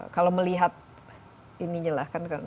kalau melihat ininya lah